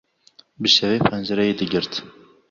Bi şevê pencereyê digirt.